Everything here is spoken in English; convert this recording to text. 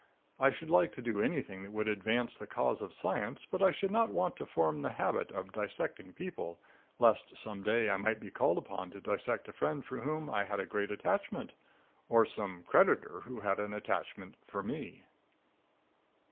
I should like to do anything that would advance the cause of science, but I should not want to form the habit of dissecting people, lest some day I might be called upon to dissect a friend for whom I had a great attachment, or some creditor who had an attachment for me.